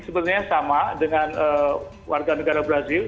sebenarnya sama dengan warga negara brazil